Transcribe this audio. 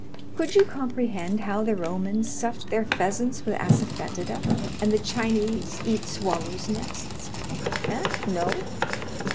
Could you comprehend how the Romans stuffed their pheasants with assafœtida, and the Chinese eat swallows' nests? Eh? no!